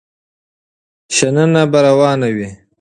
شننه به روانه وي.